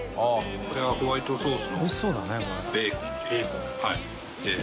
このホワイトソース。